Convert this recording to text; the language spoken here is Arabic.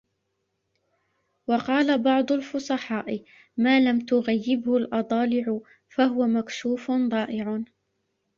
وَقَالَ بَعْضُ الْفُصَحَاءِ مَا لَمْ تُغَيِّبْهُ الْأَضَالِعُ فَهُوَ مَكْشُوفٌ ضَائِعٌ